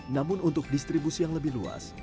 namun untuk distribusi yang lebih luas